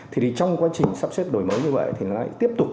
thì trong quá trình sắp xếp đổi mới như vậy thì lại tiếp tục